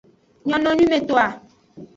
Nyononwimetoa.